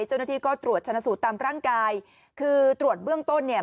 เจ้าหน้าที่ก็ตรวจชนะสูตรตามร่างกายคือตรวจเบื้องต้นเนี่ย